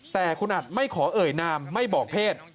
แต่คุณอัดไม่ขอเอ่ยนามไม่บอกเพศ